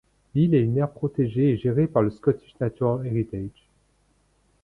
L'île est une aire protégée et gérée par le Scottish Natural Heritage.